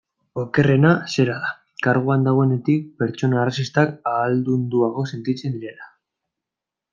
Okerrena zera da, karguan dagoenetik, pertsona arrazistak ahaldunduago sentitzen direla.